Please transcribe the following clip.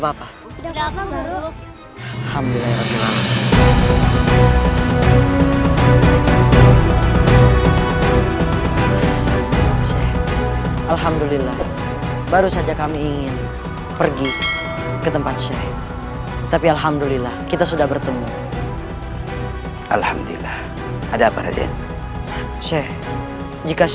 transpose kalian menyuruhku untuk tunduk